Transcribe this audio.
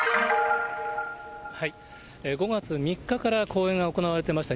５月３日から公演が行われてました。